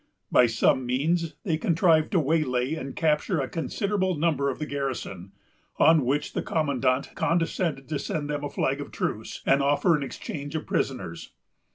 By some means, they contrived to waylay and capture a considerable number of the garrison, on which the commandant condescended to send them a flag of truce, and offer an exchange of prisoners.